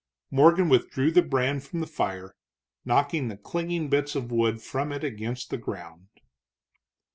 Morgan withdrew the brand from the fire, knocking the clinging bits of wood from it against the ground.